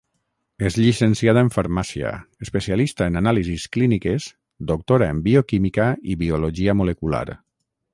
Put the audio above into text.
És llicenciada en Farmàcia, especialista en anàlisis clíniques, doctora en bioquímica i biologia molecular.